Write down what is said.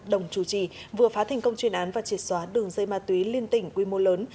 đồng chủ trì vừa phá thành công chuyên án và triệt xóa đường dây ma túy liên tỉnh quy mô lớn